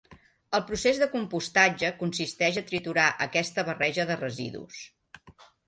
El procés de compostatge consisteix a triturar aquesta barreja de residus.